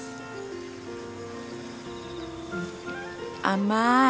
甘い！